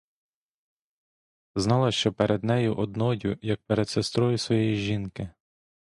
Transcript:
Знала, що перед нею одною, як перед сестрою своєї жінки.!